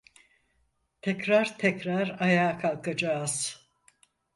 Tekrar tekrar ayağa kalkacağız.